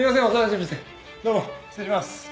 どうも失礼します。